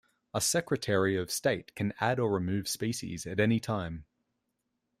A secretary of state can add or remove species at any time.